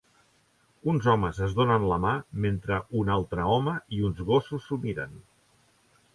Uns homes es donen la mà mentre un altre home i uns gossos s'ho miren.